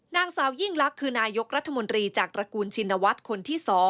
นางสาวยิ่งลักษณ์คือนายกรัฐมนตรีจากตระกูลชินวัฒน์คนที่๒